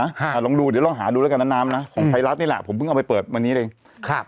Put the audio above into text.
อ่าลองดูเดี๋ยวลองหาดูแล้วกันนะน้ำนะของไทยรัฐนี่แหละผมเพิ่งเอาไปเปิดวันนี้เองครับ